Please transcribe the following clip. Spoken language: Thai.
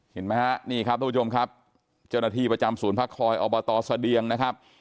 เห็นไหมฮะนี่ครับทุกผู้ชมครับเจ้าหน้าที่ประจำศูนย์พักคอยอบตเสดียงนะครับ